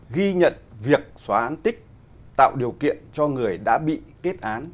ghi nhận việc xóa án tích tạo điều kiện cho người đã bị kết án